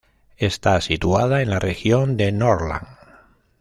Está situada en la región de Norrland.